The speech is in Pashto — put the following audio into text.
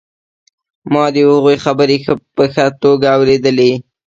ما د هغوی خبرې په ښه توګه اورېدلې